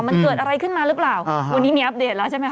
มันเกิดอะไรขึ้นมาหรือเปล่าวันนี้มีอัปเดตแล้วใช่ไหมค